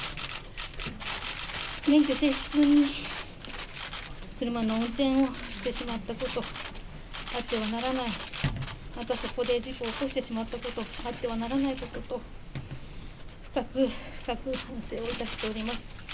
免許停止中に車の運転をしてしまったこと、あってはならない、またそこで事故を起こしてしまったこと、あってはならないことと、深く深く反省をいたしております。